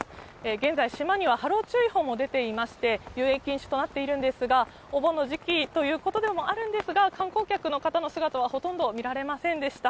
現在、島には波浪注意報も出ていまして、遊泳禁止となっているんですが、お盆の時期ということでもあるんですが、観光客の方の姿はほとんど見られませんでした。